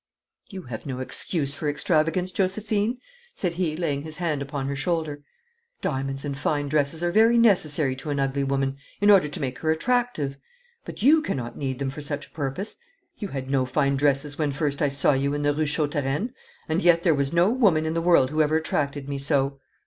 'You have no excuse for extravagance, Josephine,' said he, laying his hand upon her shoulder. 'Diamonds and fine dresses are very necessary to an ugly woman in order to make her attractive, but you cannot need them for such a purpose. You had no fine dresses when first I saw you in the Rue Chautereine, and yet there was no woman in the world who ever attracted me so.